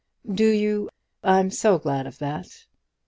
"Do you? I'm so glad of that."